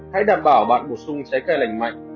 hãy đảm bảo bạn bổ sung trái cây lành mạnh